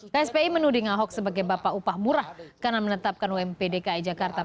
kspi menuding ahok sebagai bapak upah murah karena menetapkan ump dki jakarta